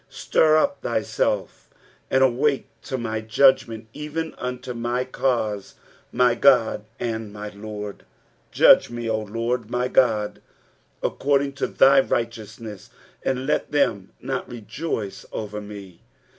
23 Stir up thyself, and awake to my judgment, even unto my cause, my God and my Lord. 24 Judge me, O LoRD, my God, according to thy righteousness ; and let them not rejoice over me.